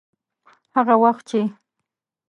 هغه وخت چې.